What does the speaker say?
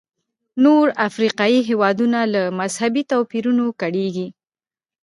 نور افریقایي هېوادونه له مذهبي توپیرونو کړېږي.